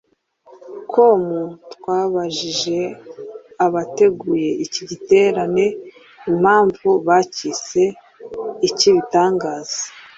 com twabajije abateguye iki giterane impamvu bacyise icy'ibitangaza